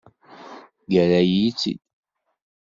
Yerra-yi-tt-id.